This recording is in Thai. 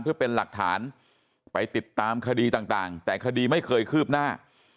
เพื่อเป็นหลักฐานไปติดตามคดีต่างแต่คดีไม่เคยคืบหน้า